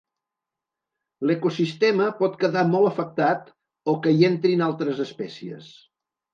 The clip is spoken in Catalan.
L'ecosistema pot quedar molt afectat o que hi entrin altres espècies.